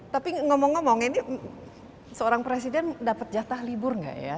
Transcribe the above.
tapi ngomong ngomong ini seorang presiden dapat jatah libur nggak ya